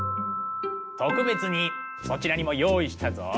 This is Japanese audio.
特別にそちらにも用意したぞ。